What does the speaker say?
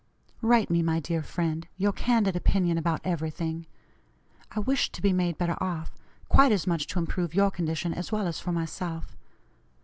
"Write me, my dear friend, your candid opinion about everything. I wished to be made better off, quite as much to improve your condition as well as for myself.